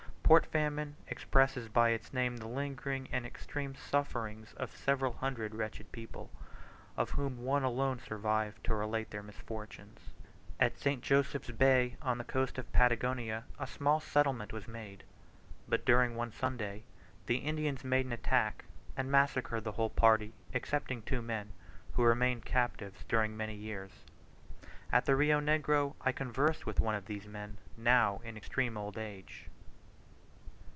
Port Famine expresses by its name the lingering and extreme sufferings of several hundred wretched people, of whom one alone survived to relate their misfortunes. At St. Joseph's Bay, on the coast of Patagonia, a small settlement was made; but during one Sunday the Indians made an attack and massacred the whole party, excepting two men, who remained captives during many years. At the Rio Negro I conversed with one of these men, now in extreme old age.